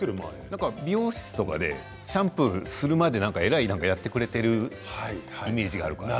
美容室とかでシャンプーするまでなんか、えらいやってくれているイメージがあるから。